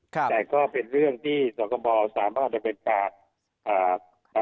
ครับแต่ก็เป็นเรื่องที่สคบสามารถจะเป็นการ